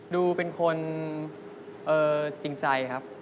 ดูเป็นคนจริงใจครับ